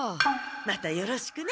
またよろしくね。